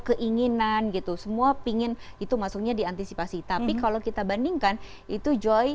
keinginan gitu semua pingin itu maksudnya diantisipasi tapi kalau kita bandingkan itu joy